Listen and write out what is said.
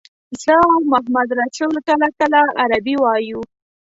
زه او محمدرسول کله کله عربي وایو.